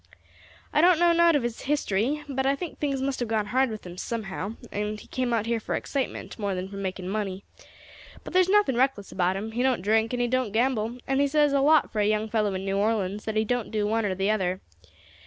"I don't know nowt of his history, but I think things must have gone hard with him somehow, and he came out here for excitement more than for making money. But there's nothing reckless about him; he don't drink, and he don't gamble, and it says a lot for a young fellow in New Orleans that he don't do one or the other.